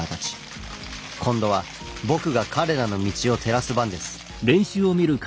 今度は僕が彼らの道を照らす番です。